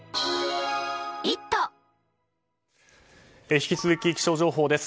引き続き、気象情報です。